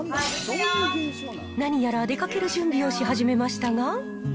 何やら出かける準備をし始めましたが。